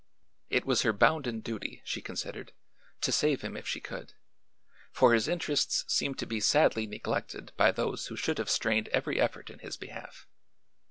It was her bounden duty, she considered, to save him if she could, for his interests seemed to be sadly neglected by those who should have strained every effort in his behalf.